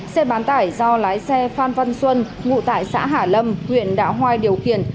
xe bán tải do lái xe phan văn xuân ngụ tải xã hả lâm huyện đạo hoai điều kiện